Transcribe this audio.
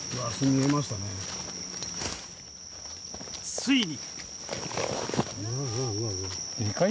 ついに。